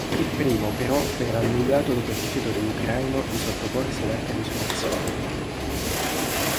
Il primo però verrà annullato dopo il rifiuto dell'ucraino di sottoporsi ad altre misurazioni.